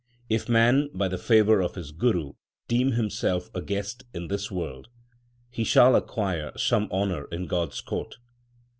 If man by the favour of his guru deem himself a guest in this world, He shall acquire some honour in God s court.